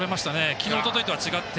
昨日、おとといとは違って。